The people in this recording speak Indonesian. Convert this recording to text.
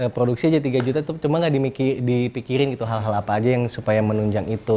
produksi aja tiga juta itu cuma gak dipikirin gitu hal hal apa aja yang supaya menunjang itu